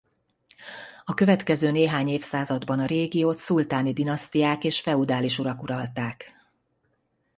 A következő néhány évszázadban a régiót szultáni dinasztiák és feudális urak uralták.